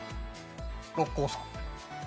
六甲山。